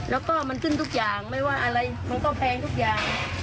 แล้วก็มันขึ้นทุกอย่างไม่ว่าอะไรมันก็แพงทุกอย่าง